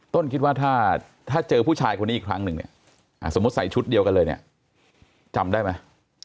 คิดว่าถ้าเจอผู้ชายคนนี้อีกครั้งหนึ่งเนี่ยสมมุติใส่ชุดเดียวกันเลยเนี่ยจำได้ไหม